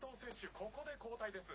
ここで交代です。